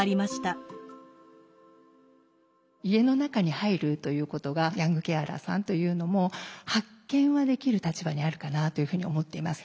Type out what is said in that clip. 家の中に入るということがヤングケアラーさんというのも発見はできる立場にあるかなというふうに思っています。